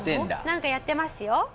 なんかやってますよ。